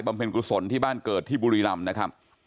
เพลงกุศลที่บ้านเกิดที่บุรีรำนะครับ